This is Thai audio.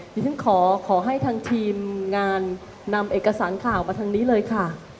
ดิฉันขอขอให้ทางทีมงานนำเอกสารข่าวมาทางนี้เลยค่ะ